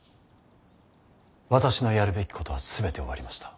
私のやるべきことは全て終わりました。